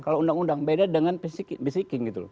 kalau undang undang beda dengan pesikin